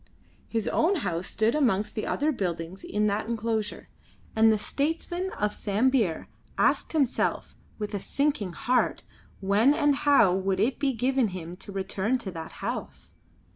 His own house stood amongst the other buildings in that enclosure, and the statesman of Sambir asked himself with a sinking heart when and how would it be given him to return to that house.